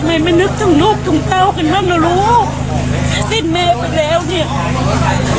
ไม่นึกถึงลูกถึงเต้ากันมั้งเรารู้เผ็ดแมวไปแล้วเนี้ย